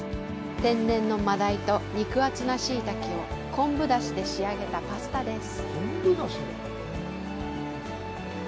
天然の真鯛と肉厚なしいたけを昆布出汁で仕上げたパスタです。